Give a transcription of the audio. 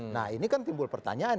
nah ini kan timbul pertanyaan